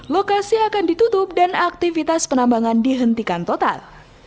lokasi akan ditutup dan aktivitas penambangan dihentikan total